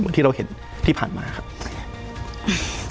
เหมือนที่เราเห็นที่ผ่านมาครับ